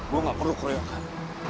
gue gak perlu keroyokan